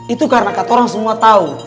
itu karena kata orang semua tahu